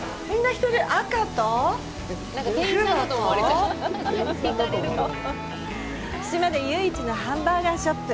赤と黒と島で唯一のハンバーガーショップ。